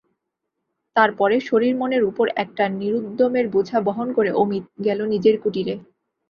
তার পরে শরীরমনের উপর একটা নিরুদ্যমের বোঝা বহন করে অমিত গেল নিজের কুটিরে।